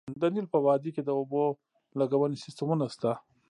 د نیل په وادۍ کې د اوبو لګونې سیستمونه شته